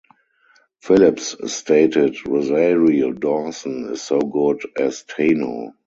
Phillips stated "Rosario Dawson is so good as Tano".